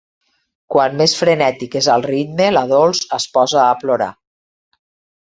Quan més frenètic és el ritme la Dols es posa a plorar.